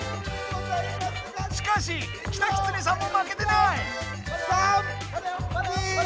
しかしキタキツネさんも負けてない！